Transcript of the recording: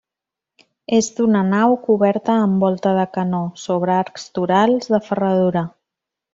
És d'una nau coberta amb volta de canó sobre arcs torals de ferradura.